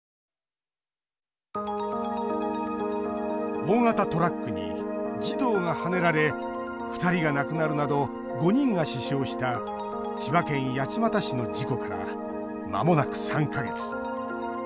大型トラックに児童がはねられ２人が亡くなるなど５人が死傷した千葉県八街市の事故からまもなく３か月。